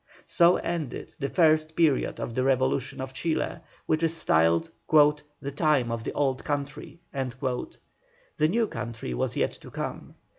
So ended the first period of the revolution of Chile, which is styled "the time of the old country." The new country was yet to come.